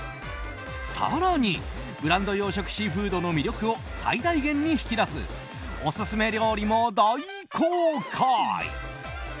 更にブランド養殖シーフードの魅力を最大限に引き出すオススメ料理も大公開。